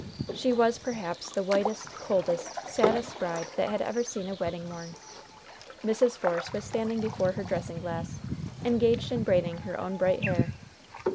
She was, perhaps, the whitest, coldest, saddest bride that had ever seen a wedding morn. Mrs. Force was standing before her dressing glass, engaged in braiding her own bright hair.